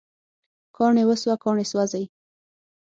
کاڼي وسوه، کاڼي سوزی